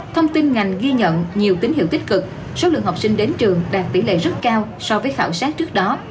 thông tin ngành ghi nhận nhiều tín hiệu tích cực số lượng học sinh đến trường đạt tỷ lệ rất cao so với khảo sát trước đó